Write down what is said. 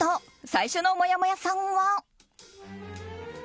最初のもやもやさんは。